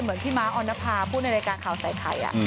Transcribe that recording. เหมือนพี่ม้าออนภาพูดในรายการข่าวใส่ไข่